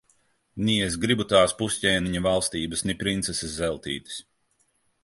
Ni es gribu tās pusķēniņa valstības, ni princeses Zeltītes.